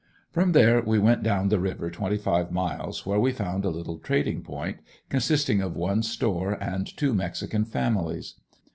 From there we went down the river twenty five miles where we found a little trading point, consisting of one store and two mexican families.